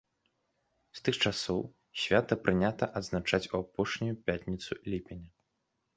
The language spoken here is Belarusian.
З тых часоў свята прынята адзначаць у апошнюю пятніцу ліпеня.